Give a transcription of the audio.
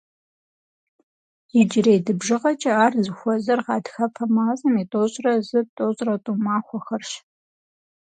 Иджырей ди бжыгъэкӀэ ар зыхуэзэр гъатхэпэ мазэм и тӏощӏрэ зы-тӏощӏрэ тӏу махуэхэрщ.